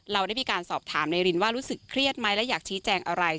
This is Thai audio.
เราได้มีการสอบถามนายรินว่ารู้สึกเครียดไหมและอยากชี้แจงอะไร